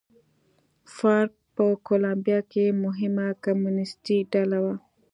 فارک په کولمبیا کې مهمه کمونېستي ډله وه.